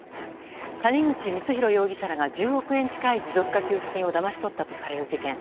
谷口光弘容疑者らが１０億円近い持続化給付金をだまし取ったとされる事件。